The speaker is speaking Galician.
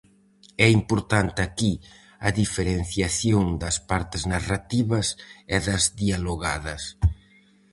É importante aquí a diferenciación das partes narrativas e das dialogadas.